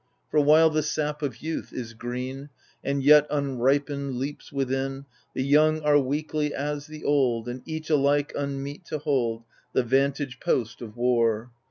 For while the sap of youth is green. And, yet unripened, leaps within, The young are weakly as the old. And each alike unmeet to hold The vantage post of war